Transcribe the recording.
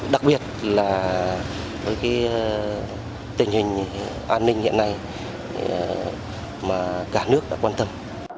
đặc biệt là với tình hình an ninh hiện nay mà cả nước đã quan tâm